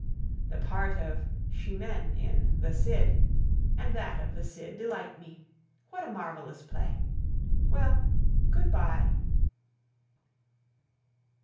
The part of Chimene in the Cid and that of the Cid delight me. What a marvelous play! Well, good bye.